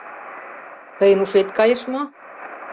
Тыйын ушет кайыш мо?..